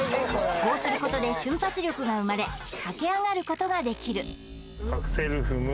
こうすることで瞬発力が生まれ駆け上がることができるアクセル踏む